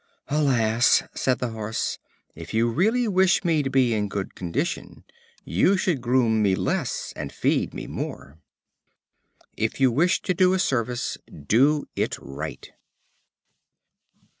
"Alas!" said the Horse, "if you really wish me to be in good condition, you should groom me less, and feed me more." If you wish to do a service, do it right.